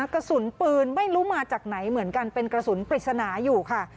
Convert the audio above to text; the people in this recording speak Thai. กระสุนปืนไม่รู้มาจากไหนเหมือนกันเป็นกระสุนปริศนาอยู่ค่ะ